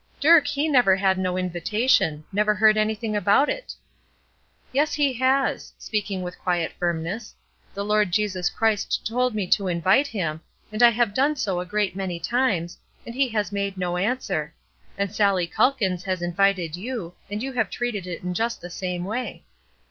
"Dirk he never had no invitation never heard anything about it." "Yes, he has," speaking with quiet firmness. "The Lord Jesus Christ told me to invite him, and I have done so a great many times, and he has made no answer; and Sallie Calkins has invited you, and you have treated it in just the same way."